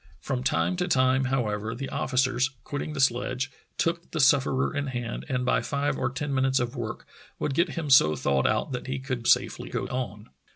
From time to time, however, the officers, quitting the sledge, took the sufferer in hand, and by five or ten minutes of work would get him so thawed out that he could safely go on.